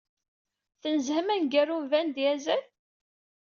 Tnezzhem aneggaru n Vin Diesel?